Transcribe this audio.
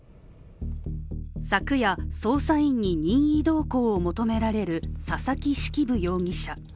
昨夜、捜査員に任意同行を求められる佐々木式部容疑者。